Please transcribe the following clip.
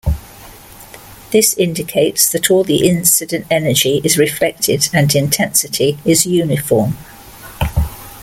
This indicates that all the incident energy is reflected and intensity is uniform.